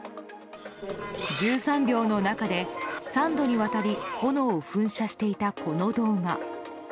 １３秒の中で、３度にわたり炎を噴射していたこの動画。